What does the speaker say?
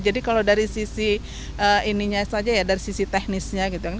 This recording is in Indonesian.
jadi kalau dari sisi ini saja ya dari sisi teknisnya gitu kan